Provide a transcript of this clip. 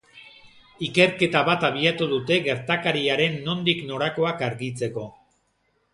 Ikerketa bat abiatu dute gertakariaren nondik norakoak argitzeko.